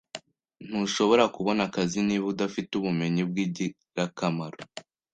Ntushobora kubona akazi niba udafite ubumenyi bwingirakamaro.